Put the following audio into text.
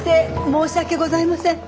申し訳ございません。